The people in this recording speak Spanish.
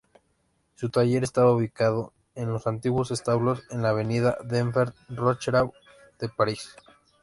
Su taller estaba ubicado en los antiguos establos, en la avenida Denfert-Rochereau de París.